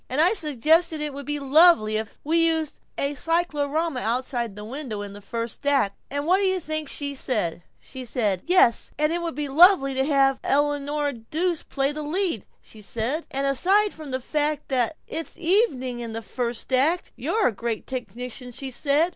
"And I suggested it would be lovely if we used a cyclorama outside the window in the first act, and what do you think she said? 'Yes, and it would be lovely to have Eleanora Duse play the lead,' she said, 'and aside from the fact that it's evening in the first act, you're a great technician,' she said.